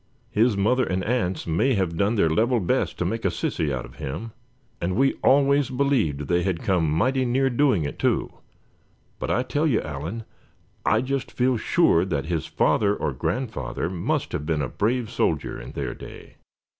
"His mother and aunts may have done their level best to make a sissy out of him; and we always believed they had come mighty near doing it too; but I tell you, Allan, I just feel sure that his father or grandfather must have been a brave soldier in their day.